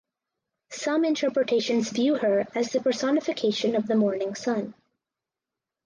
Some interpretations view her as the personification of the morning sun.